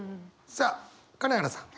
さあ金原さん。